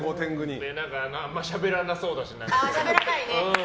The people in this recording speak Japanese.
あんまりしゃべらなそうだし。